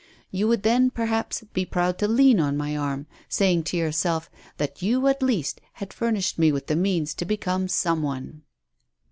You would then, perhaps, be proud to lean on my arm, saying to yourself that you at least had furnished me with the means to become some one!"